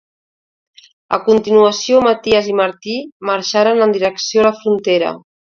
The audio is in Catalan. A continuació Maties i Martí marxaren en direcció la frontera.